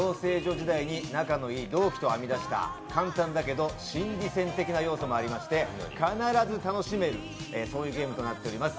時代に仲のいい同期と編み出した簡単だけど心理戦的な要素もありまして必ず楽しめるそういうゲームとなっております。